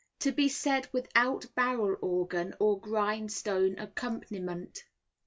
To be said without Barrel Organ or Grindstone accompaniment.